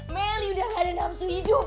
melly udah gak ada nafsu hidup